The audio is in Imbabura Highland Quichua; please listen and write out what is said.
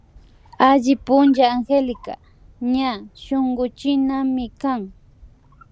Alli puncha Angélica ña shunkullinamikan